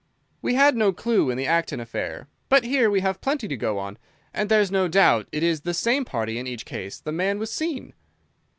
"We had no clue in the Acton affair. But here we have plenty to go on, and there's no doubt it is the same party in each case. The man was seen."